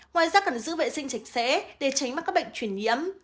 ngoài ra cần giữ vệ sinh chạy xe để tránh mắc các bệnh chuyển nhiễm